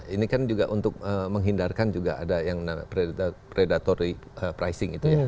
ini kan juga untuk menghindarkan juga ada yang predatory pricing itu ya